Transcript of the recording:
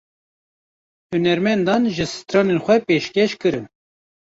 Hunermendan jî stranên xwe pêşkêş kirin.